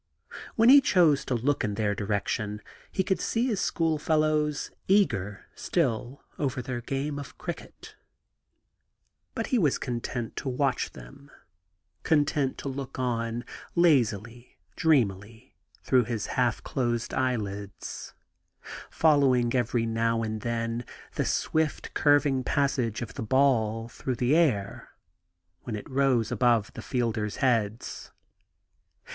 When he chose to look in their direction, he could S^e bis schoolfellows eager still over their game of 57 THE GARDEN GOD cricket ; but he was content to watch them, content to look on, lazily, dreamily, through his half closed eyelids, following every now and then the swift curving passage of the ball through the air, when it rose above the fielders' heads.